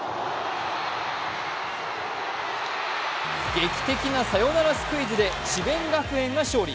劇的なサヨナラスクイズで智弁学園が勝利。